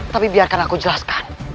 tapi biarkan aku jelaskan